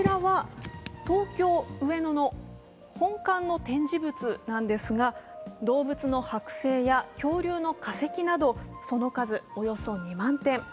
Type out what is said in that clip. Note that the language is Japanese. こちらは東京・上野の本館の展示物なんですが動物のはく製や恐竜の化石など、その数およそ２万点。